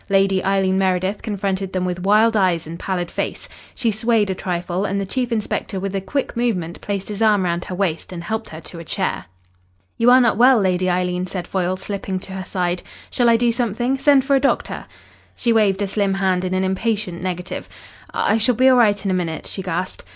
Lady Eileen Meredith confronted them with wild eyes and pallid face. She swayed a trifle, and the chief inspector with a quick movement placed his arm round her waist and helped her to a chair. "You are not well, Lady Eileen," said Foyle, slipping to her side. "Shall I do something? send for a doctor?" She waved a slim hand in an impatient negative. "I I shall be all right in a minute," she gasped.